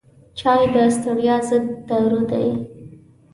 چای د ستړیا ضد دارو دی.